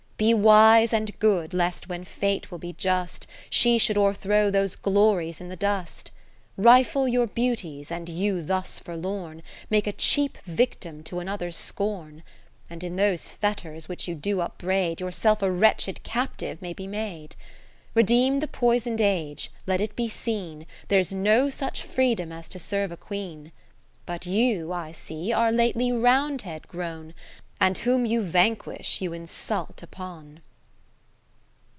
lo Be wise and good^ lest when fate will be just, She should o'erthrow those glories in the dust, Rifle your beauties, and you thus forlorn IMake a cheap victim to another's scorn ; And in those fetters which you do upbraid. Yourself a wretched captive may be made. Redeem the poison'd Age, let it be seen There's no such freedom as to serve a Queen. But you I see are lately Round head grown, And whom you vanquish you insult upon.